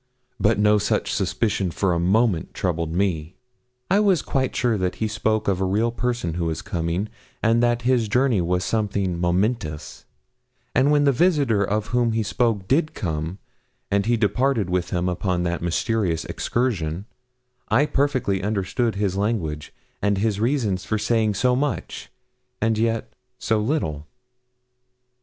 But no such suspicion for a moment troubled me. I was quite sure that he spoke of a real person who was coming, and that his journey was something momentous; and when the visitor of whom he spoke did come, and he departed with him upon that mysterious excursion, I perfectly understood his language and his reasons for saying so much and yet so little.